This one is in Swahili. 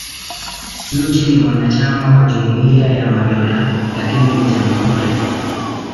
Nchi ni mwanachama wa Jumuiya ya Madola, lakini ni jamhuri.